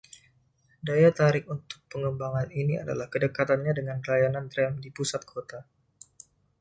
Daya tarik untuk pengembangan ini adalah kedekatannya dengan layanan trem di pusat kota.